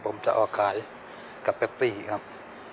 ผมจะออกขายกับแปปปี้ครับ